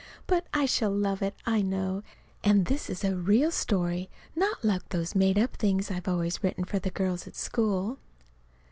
But I shall love it, I know. And this is a real story not like those made up things I've always written for the girls at school.